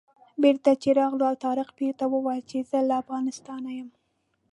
بېرته چې راغلو طارق پیر ته وویل چې زه له افغانستانه یم.